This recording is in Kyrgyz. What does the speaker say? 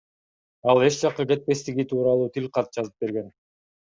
Ал эч жакка кетпестиги тууралуу тил кат жазып берген.